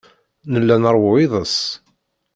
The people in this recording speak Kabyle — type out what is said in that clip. Nella nṛewwu iḍes.